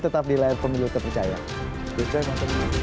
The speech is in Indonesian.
tetap di layar pemilu terpercaya